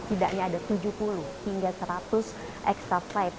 tidaknya ada tujuh puluh hingga seratus extra flight